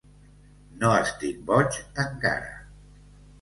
No estic boig, encara.